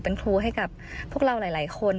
เป็นครูให้กับพวกเราหลายคน